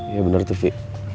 ya bener tuh fi